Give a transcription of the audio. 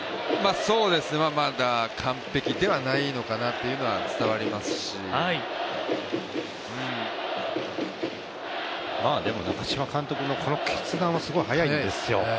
そうですね、まだ完璧ではないのかなというのは伝わりますしでも中嶋監督の決断はすごい早いんですよ。